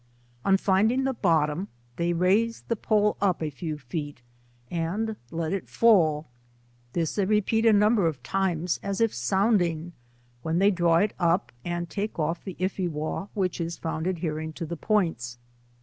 On finding the bottom, they raise the pole up a few feet, and i<t it fall, this they repeat a number of times as if scuoding, when they draw it up, and take olT ihe If e zcazo which is found adhering to the points.